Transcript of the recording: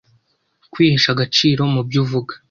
kwihesha agaciro. Mubyo uvuga